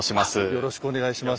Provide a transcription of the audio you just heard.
よろしくお願いします。